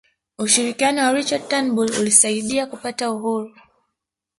ushirikiano wa richard turnbull ulisaidia kupata uhuru